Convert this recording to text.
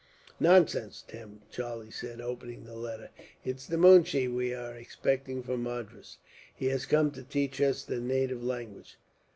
"Nonsense, Tim," Charlie said, opening the letter; "it's the moonshee we are expecting, from Madras. He has come to teach us the native language."